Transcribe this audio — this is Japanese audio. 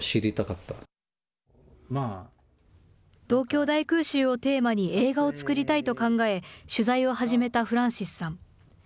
東京大空襲をテーマに映画を作りたいと考え取材を始めたフランシスさん。